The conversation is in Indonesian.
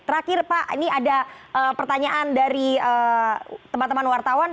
terakhir pak ini ada pertanyaan dari teman teman wartawan